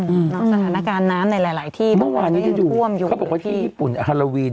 อืมสถานการณ์น้ำในหลายที่เมื่อวานนี้จะอยู่เขาบอกว่าที่ญี่ปุ่นฮาราวีน